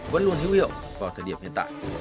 vẫn luôn hữu hiệu vào thời điểm hiện tại